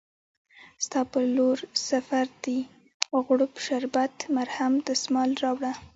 ستا په لورسفردي، غوړپ شربت، مرهم، دسمال راوړه